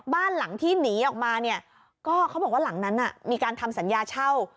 บ้านหลังที่หนีออกมาเนี่ยก็เขาบอกว่าหลังนั้นมีการทำสัญญาเช่า